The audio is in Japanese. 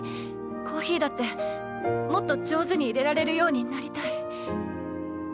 コーヒーだってもっと上手にいれられるようになりたい。